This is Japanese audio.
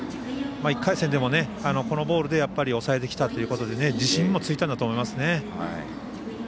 １回戦でも、このボールで抑えてきたということで自信もついたんだと思います。